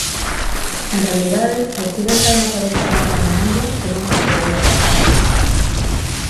En realidade, estiven tan atarefada planeándoa, que nunca cheguei a esa parte.